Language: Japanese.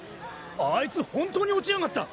あいつ本当に落ちやがった！